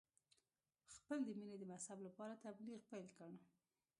خپل د مینې د مذهب لپاره تبلیغ پیل کړ.